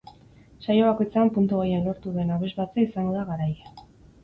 Saio bakoitzean puntu gehien lortu duen abesbatza izango da garaile.